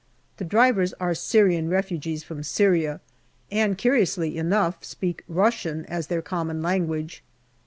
The drivers are Syrian refugees from Syria, and curiously enough speak Russian as their common language.